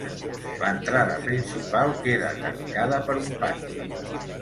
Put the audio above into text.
L'entrada principal queda tancada per un pati.